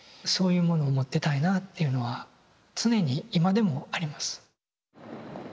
そういうものを持ってたいなあっていうのは常に今でもあります。